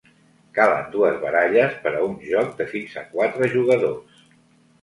Calen dues baralles per a un joc de fins a quatre jugadors.